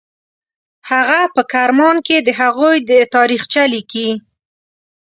هغه په کرمان کې د هغوی تاریخچه لیکي.